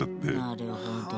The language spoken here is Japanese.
なるほどね。